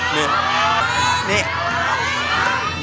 เพลงที่สี่